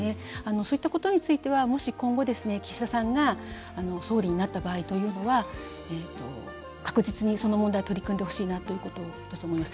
そういったことについては岸田さんが総理になった場合というのは確実にその問題取り組んでほしいなと思います。